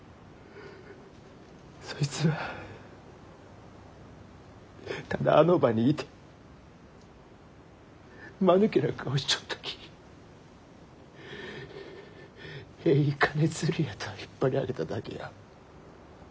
そいつはただあの場にいてまぬけな顔しちょったきえい金づるやと引っ張り上げただけや。